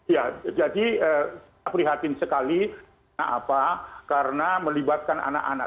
ya jadi kita prihatin sekali karena melibatkan anak anak